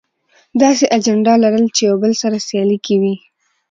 داسې اجنډا لرل چې يو بل سره سیالي کې وي.